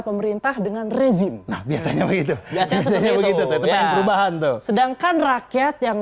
pemerintah dengan rezim biasanya begitu biasanya begitu ya perubahan tuh sedangkan rakyat yang